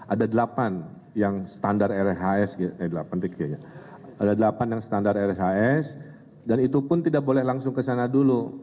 ada delapan yang standar rshs dan itu pun tidak boleh langsung ke sana dulu